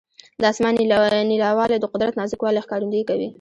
د اسمان نیلاوالی د قدرت نازک والي ښکارندویي کوي.